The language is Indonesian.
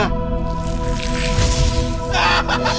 ini numerous ini barusan nih